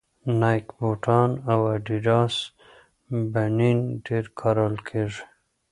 نایک بوټان او اډیډاس بنېن ډېر کارول کېږي